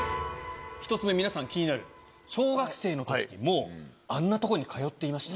１つ目皆さん気になる小学生のときにもうあんなとこに通っていました。